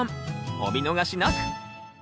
お見逃しなく！